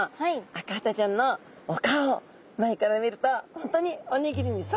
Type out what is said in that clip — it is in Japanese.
アカハタちゃんのお顔前から見ると本当におにぎりにそっくりですね。